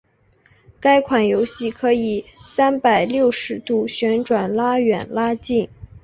该款游戏可以三百六十度旋转拉远拉近。